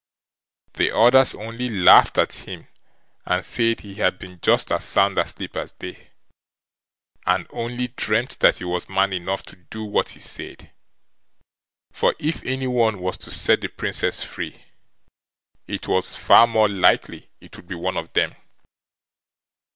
The others only laughed at him, and said he had been just as sound asleep as they, and only dreamt that he was man enough to do what he said; for if any one was to set the Princesses free, it was far more likely it would be one of them.